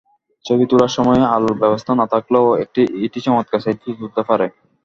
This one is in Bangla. ছবি তোলার সময় আলোর ব্যবস্থা না থাকলেও এটি চমৎকার সেলফি তুলতে পারে।